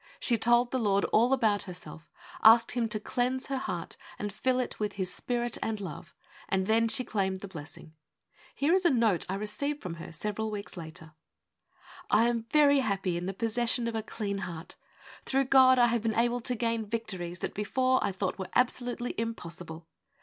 She told the Lord all about her self, asked Him to cleanse her heart and fill it with His Spirit and love, and then she claimed the blessing. Here is a note I received from her several weeks later :—' I am very happy in the possession of a clean heart. Through God I have been able to gain victories that before I thought were absolutely impossible.